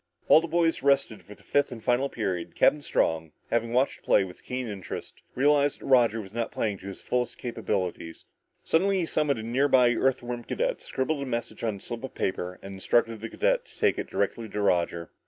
While the boys rested before the fifth and final period, Captain Strong, having watched the play with keen interest, realized that Roger was not playing up to his fullest capabilities. Suddenly he summoned a near by Earthworm cadet, scribbled a message on a slip of paper and instructed the cadet to take it directly to Roger.